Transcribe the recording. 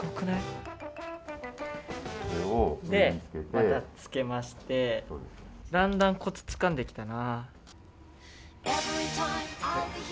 また、つけましてだんだん、コツつかんできたな。